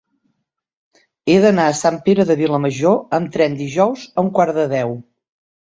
He d'anar a Sant Pere de Vilamajor amb tren dijous a un quart de deu.